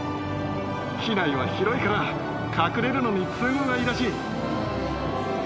機内は広いから隠れるのに都合がいいらしい。